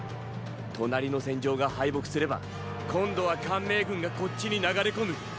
隣の戦場が敗北すれば今度は汗明軍がこっちに流れ込む。